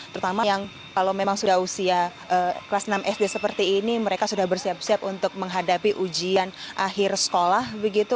terutama yang kalau memang sudah usia kelas enam sd seperti ini mereka sudah bersiap siap untuk menghadapi ujian akhir sekolah